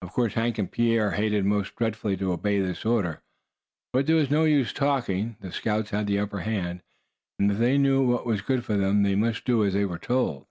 Of course Hank and Pierre hated most dreadfully to obey this order; but there was no use talking; the scouts had the upper hand, and if they knew what was good for them they must do as they were told.